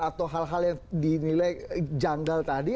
atau hal hal yang dinilai janggal tadi